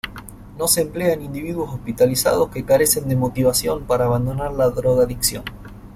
No se emplea en individuos hospitalizados que carecen de motivación para abandonar la drogadicción.